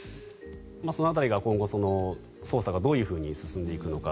その辺りが今後、捜査がどう進んでいくのか